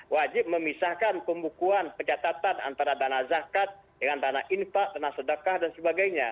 wajib memisahkan pembukuan pencatatan antara dana zakat dengan dana infak dana sedekah dan sebagainya